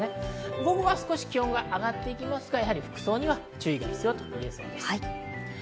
午後は気温が上がっていきますが、服装には注意が必要です。